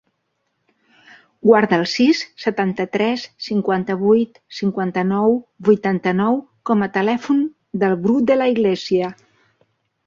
Guarda el sis, setanta-tres, cinquanta-vuit, cinquanta-nou, vuitanta-nou com a telèfon del Bru De La Iglesia.